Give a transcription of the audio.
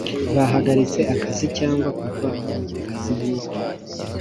bahagaritse akazi cyangwa kuva ku kazi nk uko